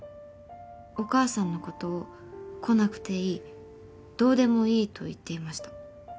お母さんのことを来なくていいどうでもいいと言っていました。